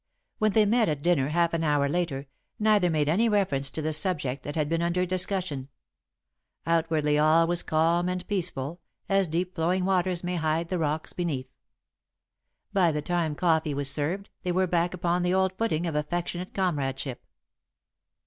When they met at dinner, half an hour later, neither made any reference to the subject that had been under discussion. Outwardly all was calm and peaceful, as deep flowing waters may hide the rocks beneath. By the time coffee was served, they were back upon the old footing of affectionate comradeship.